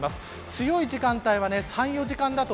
強い時間帯は３、４時間だと